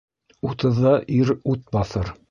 Утыҙҙа ир ут баҫыр.